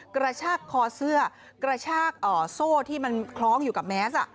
กระชากคอเสื้อกระชากโซ่ที่มันคล้องอยู่กับแมส